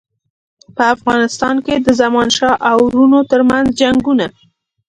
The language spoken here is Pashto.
په افغانستان کې د زمانشاه او وروڼو ترمنځ جنګونه.